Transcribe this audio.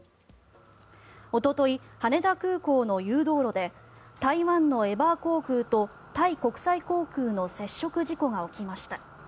おととい、羽田空港の誘導路で台湾のエバー航空とタイ国際航空の接触事故が起きました。